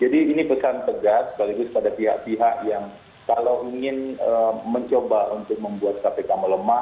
jadi ini pesan tegas sekaligus pada pihak pihak yang kalau ingin mencoba untuk membuat kpk melemah